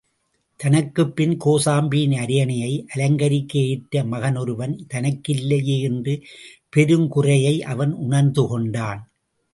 தனக்குப்பின் கோசாம்பியின் அரியணையை அலங்கரிக்க ஏற்ற மகனொருவன் தனக்கில்லையே என்ற பெருங்குறையை அவன் உணர்ந்து கொண்டான்.